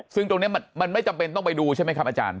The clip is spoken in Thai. ซึ่งตรงนี้มันไม่จำเป็นต้องไปดูใช่ไหมครับอาจารย์